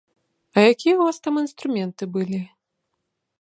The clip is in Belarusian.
А якія ў вас там інструменты былі?